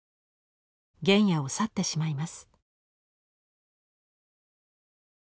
原野を去ってしまいます。